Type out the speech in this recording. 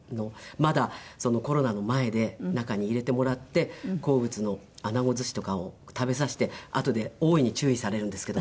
まだコロナの前で中に入れてもらって好物のアナゴずしとかを食べさせてあとで大いに注意されるんですけど。